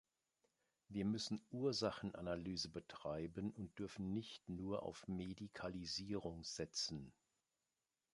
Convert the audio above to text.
Wir müssen Ursachenanalyse betreiben und dürfen nicht nur auf Medikalisierung setzen.